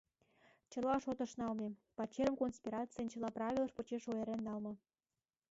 Чыла шотыш налме, пачерым конспирацийын чыла правилыж почеш ойырен налме.